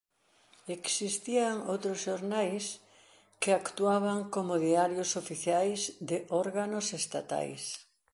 Existían outros xornais que actuaban como diarios oficiais de órganos estatais.